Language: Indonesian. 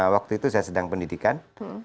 waktu itu saya sedang pendidikan